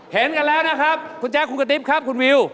เห็นกันแล้วนะครับคุณแจ๊คคุณกระติ๊บครับคุณวิว